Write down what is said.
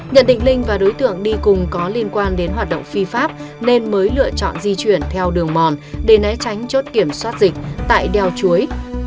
nhận định linh và đối tượng đi cùng có liên quan đến hoạt động phi pháp nên mới lựa chọn di chuyển theo đường mòn để né tránh chốt kiểm soát dịch tại đeo chuối